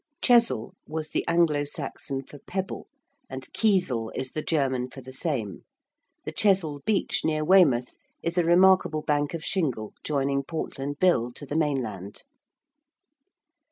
~Chesel~ was the Anglo Saxon for pebble, and Kiesel is the German for the same. The ~Chesil Beach~, near Weymouth, is a remarkable bank of shingle joining Portland Bill to the mainland.